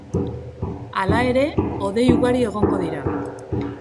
Hala ere, hodei ugari egongo dira.